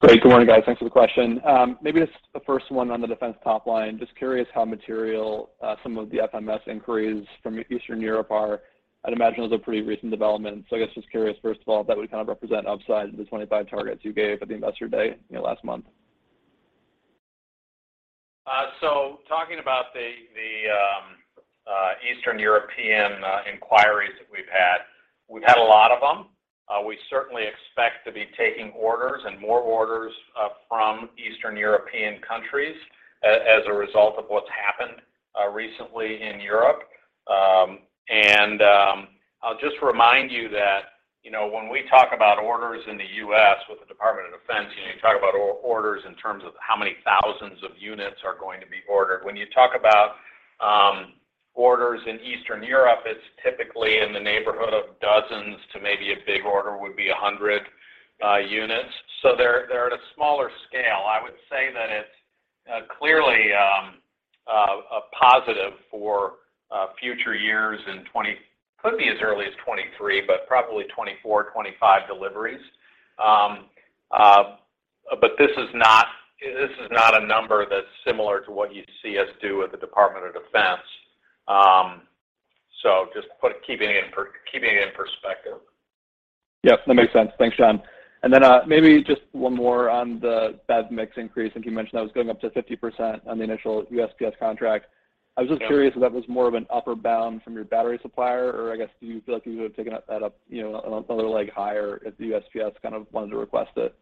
Great. Good morning, guys. Thanks for the question. Maybe just the first one on the defense top line. Just curious how material some of the FMS inquiries from Eastern Europe are. I'd imagine it was a pretty recent development. I guess just curious, first of all, if that would kind of represent upside to the 25 targets you gave at the Investor Day, you know, last month. Talking about Eastern European inquiries that we've had, we've had a lot of them. We certainly expect to be taking orders and more orders from Eastern European countries as a result of what's happened recently in Europe. I'll just remind you that, you know, when we talk about orders in the U.S. with the Department of Defense, you know, you talk about orders in terms of how many thousands of units are going to be ordered. When you talk about orders in Eastern Europe, it's typically in the neighborhood of dozens to maybe a big order would be 100 units. They're at a smaller scale. I would say that it's clearly a positive for future years could be as early as 2023, but probably 2024, 2025 deliveries. This is not a number that's similar to what you'd see us do at the Department of Defense. Just put it keeping it in perspective. Yep, that makes sense. Thanks, John. Maybe just one more on the BEV mix increase. I think you mentioned that was going up to 50% on the initial USPS contract. Yeah. I was just curious if that was more of an upper bound from your battery supplier, or I guess, do you feel like you would have taken that up, you know, another leg higher if the USPS kind of wanted to request it?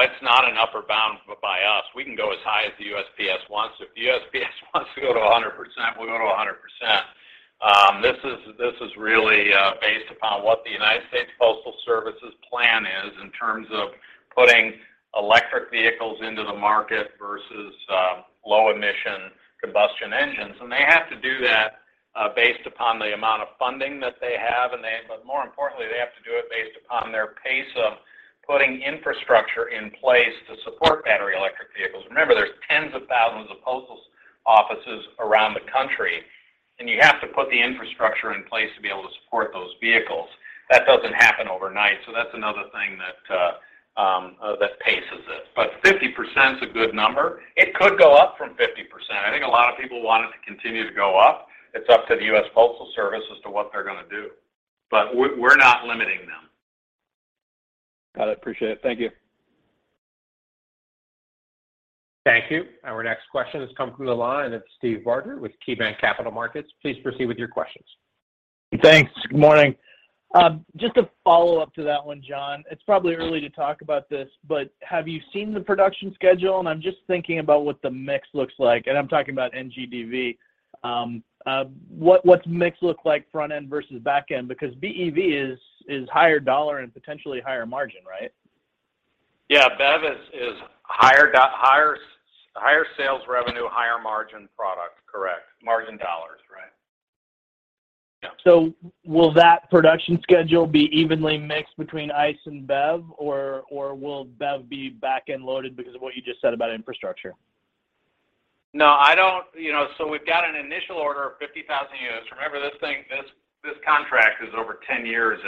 It's not an upper bound by us. We can go as high as the USPS wants to. If the USPS wants to go to 100%, we'll go to 100%. This is really based upon what the United States Postal Service's plan is in terms of putting electric vehicles into the market versus low emission combustion engines. They have to do that based upon the amount of funding that they have. More importantly, they have to do it based upon their pace of putting infrastructure in place to support battery electric vehicles. Remember, there's tens of thousands of postal offices around the country, and you have to put the infrastructure in place to be able to support those vehicles. That doesn't happen overnight, so that's another thing that paces it. 50%'s a good number. It could go up from 50%. I think a lot of people want it to continue to go up. It's up to the U.S. Postal Service as to what they're gonna do. We're not limiting them. Got it. Appreciate it. Thank you. Thank you. Our next question has come from the line of Steve Varter with KeyBanc Capital Markets. Please proceed with your questions. Thanks. Good morning. Just a follow-up to that one, John. It's probably early to talk about this, but have you seen the production schedule? I'm just thinking about what the mix looks like, and I'm talking about NGDV. What's mix look like front end versus back end? Because BEV is higher dollar and potentially higher margin, right? Yeah. BEV is higher sales revenue, higher margin product. Correct. Margin dollars, right. Yeah. Will that production schedule be evenly mixed between ICE and BEV, or will BEV be back-end loaded because of what you just said about infrastructure? No, I don't. We've got an initial order of 50,000 units. Remember this thing, this contract is over 10 years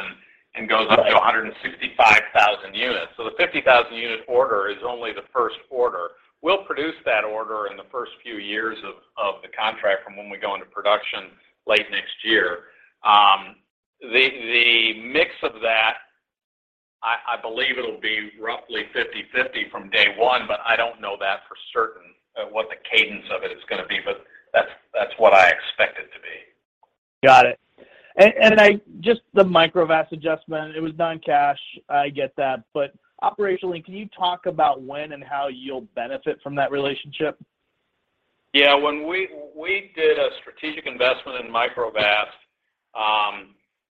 and goes up to 165,000 units. The 50,000-unit order is only the first order. We'll produce that order in the first few years of the contract from when we go into production late next year. The mix of that, I believe it'll be roughly 50/50 from day one, but I don't know that for certain, what the cadence of it is gonna be. That's what I expect it to be. Got it. Just the Microvast adjustment, it was non-cash, I get that. But operationally, can you talk about when and how you'll benefit from that relationship? Yeah. We did a strategic investment in Microvast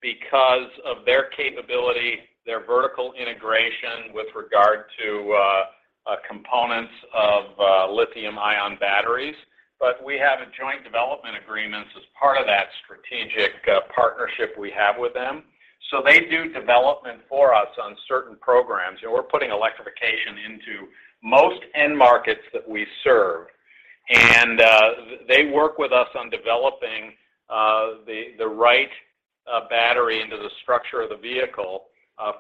because of their capability, their vertical integration with regard to components of lithium-ion batteries. We have a joint development agreements as part of that strategic partnership we have with them. They do development for us on certain programs. You know, we're putting electrification into most end markets that we serve. They work with us on developing the right battery into the structure of the vehicle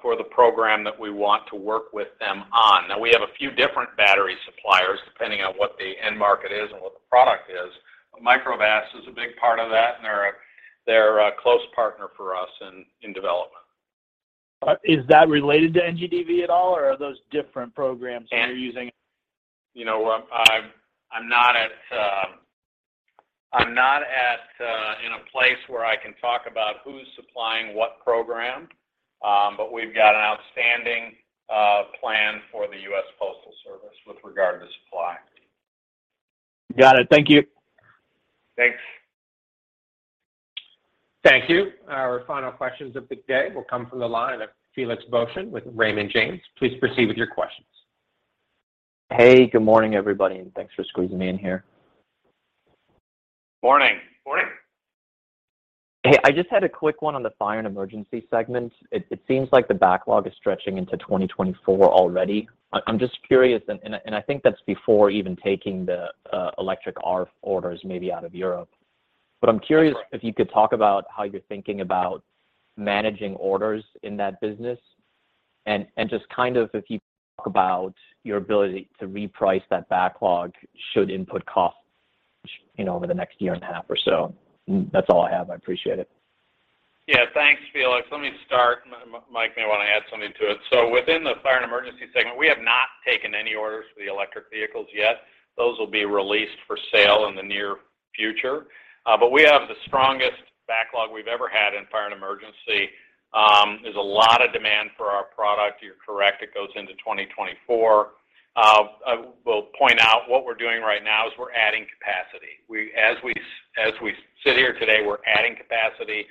for the program that we want to work with them on. We have a few different battery suppliers depending on what the end market is and what the product is. Microvast is a big part of that, and they're a close partner for us in development. Is that related to NGDV at all, or are those different programs that you're using? You know what? I'm not in a place where I can talk about who's supplying what program. We've got an outstanding plan for the U.S. Postal Service with regard to supply. Got it. Thank you. Thanks. Thank you. Our final questions of the day will come from the line of Felix Boeschen with Raymond James. Please proceed with your questions. Hey, good morning, everybody, and thanks for squeezing me in here. Morning. Morning. Hey, I just had a quick one on the Fire & Emergency segment. It seems like the backlog is stretching into 2024 already. I'm just curious, and I think that's before even taking the electric ARFF orders maybe out of Europe. I'm curious if you could talk about how you're thinking about managing orders in that business and just kind of if you talk about your ability to reprice that backlog should input costs you know over the next year and a half or so. That's all I have. I appreciate it. Yeah. Thanks, Felix. Let me start, Mike may wanna add something to it. Within the Fire & Emergency segment, we have not taken any orders for the electric vehicles yet. Those will be released for sale in the near future. We have the strongest backlog we've ever had in Fire & Emergency. There's a lot of demand for our product. You're correct, it goes into 2024. We'll point out what we're doing right now is we're adding capacity. As we sit here today, we're adding capacity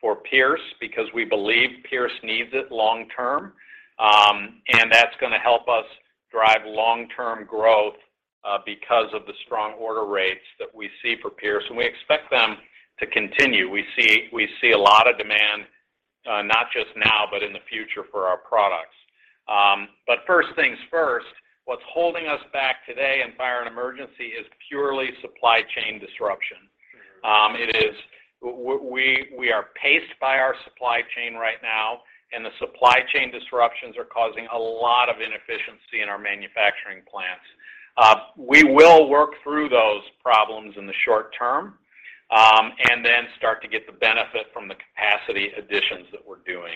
for Pierce because we believe Pierce needs it long term. That's gonna help us drive long-term growth because of the strong order rates that we see for Pierce. We expect them to continue. We see a lot of demand, not just now, but in the future for our products. First things first, what's holding us back today in Fire & Emergency is purely supply chain disruption. We are paced by our supply chain right now, and the supply chain disruptions are causing a lot of inefficiency in our manufacturing plants. We will work through those problems in the short term, and then start to get the benefit from the capacity additions that we're doing.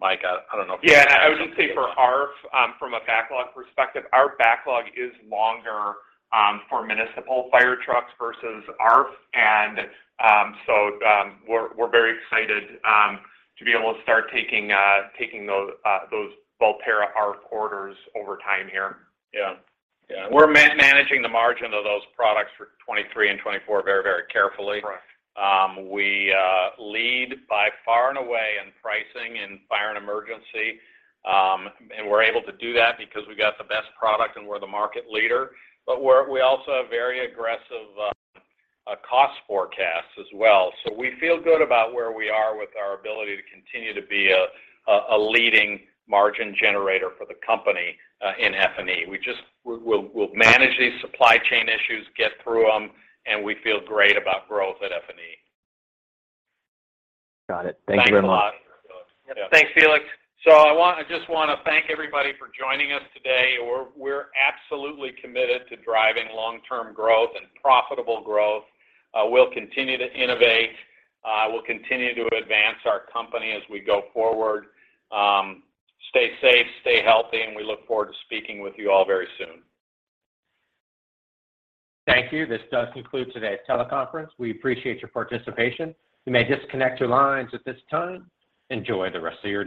Mike, I don't know if you have something to add. Yeah. I would just say for ARFF, from a backlog perspective, our backlog is longer for municipal fire trucks versus ARFF. We're very excited to be able to start taking those Volterra ARFF orders over time here. Yeah. Yeah. We're managing the margin of those products for 2023 and 2024 very, very carefully. Correct. We lead by far and away in pricing in Fire & Emergency. We're able to do that because we got the best product and we're the market leader. We also have very aggressive cost forecasts as well. We feel good about where we are with our ability to continue to be a leading margin generator for the company in F&E. We'll manage these supply chain issues, get through them, and we feel great about growth at F&E. Got it. Thank you very much. Thanks a lot, Felix. Yep. Thanks, Felix. I just wanna thank everybody for joining us today. We're absolutely committed to driving long-term growth and profitable growth. We'll continue to innovate, we'll continue to advance our company as we go forward. Stay safe, stay healthy, and we look forward to speaking with you all very soon. Thank you. This does conclude today's teleconference. We appreciate your participation. You may disconnect your lines at this time. Enjoy the rest of your day.